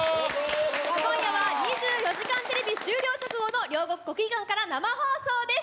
今夜は、２４時間テレビ終了直後の両国国技館から生放送です！